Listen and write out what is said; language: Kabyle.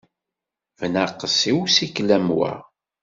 Bnaqes i usikel am wa!